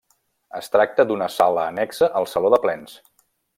Es tracta d'una sala annexa al Saló de Plens.